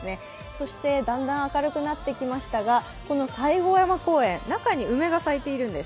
そしてだんだん明るくなってきましたが、西郷山公園中に梅が咲いているんです。